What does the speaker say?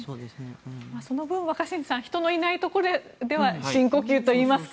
その分、若新さん人のいないところでは深呼吸といいますか。